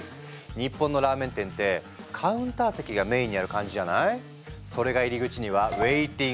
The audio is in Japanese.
日本のラーメン店ってカウンター席がメインにある感じじゃない？